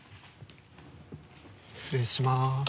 失礼します。